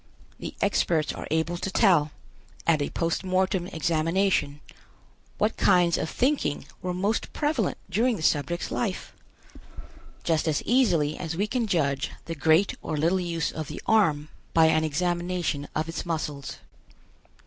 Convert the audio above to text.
The experts are able to tell, at a post mortem examination, what kinds of thinking were most prevalent during the subject's life, just as easily as we can judge the great or little use of the arm by an examination of its muscles.